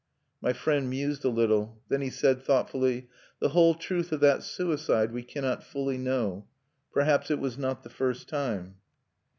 My friend mused a little; then he said, thoughtfully: "The whole truth of that suicide we cannot fully know. Perhaps it was not the first time."